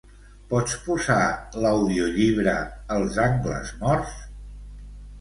Pots posar l'audiollibre "Els angles morts"?